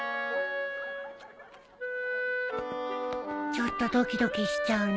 ちょっとドキドキしちゃうね。